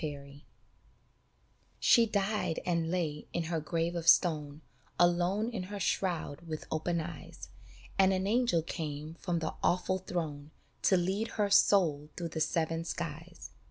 BALLAD SHE died and lay in her grave of stone, Alone in her shroud with open eyes, And an angel came from the awful throne To lead her soul through the seven skies.